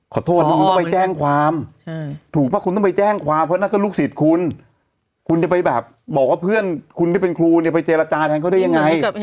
ขอโทษน้องต้องไปแจ้งความถูกปะคุณต้องไปแจ้งความเพราะนั่นก็ลูกสิทธิ์คุณ